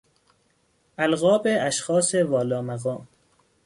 القاب اشخاص والا مقام